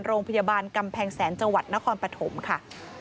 โรงพยาบาลกำแพงแสนจังหวัดนครปฐมค่ะ